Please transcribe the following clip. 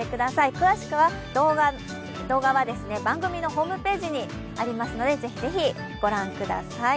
詳しくは、動画は番組のホームページにありますのでぜひぜひご覧ください。